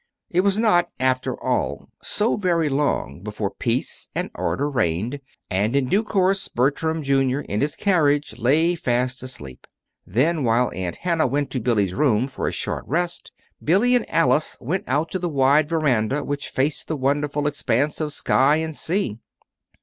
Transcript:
It was not, after all, so very long before peace and order reigned; and, in due course, Bertram, Jr., in his carriage, lay fast asleep. Then, while Aunt Hannah went to Billy's room for a short rest, Billy and Alice went out on to the wide veranda which faced the wonderful expanse of sky and sea.